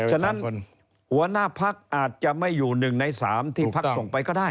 ฉะนั้นหัวหน้าภักษ์อาจจะไม่อยู่หนึ่งในสามที่ภักษ์ส่งไปก็ได้